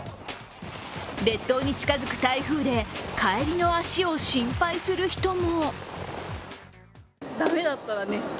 列島に近づく台風で帰りの足を心配する人も。